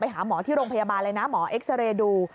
หาหมอที่โรงพยาบาลเลยนะหมอเอ็กซาเรย์ดู